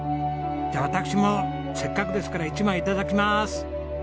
じゃあ私もせっかくですから１枚いただきます。